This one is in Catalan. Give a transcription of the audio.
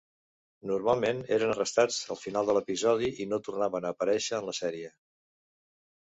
Normalment eren arrestats al final de l'episodi i no tornaven a aparèixer en la sèrie.